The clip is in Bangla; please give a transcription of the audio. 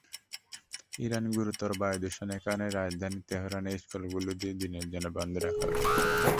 ইরান গুরুতর বায়ুদূষণের কারণে রাজধানী তেহরানের স্কুলগুলো দুই দিনের জন্য বন্ধ রাখা হচ্ছে।